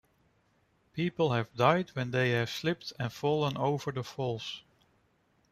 People have died when they have slipped and fallen over the falls.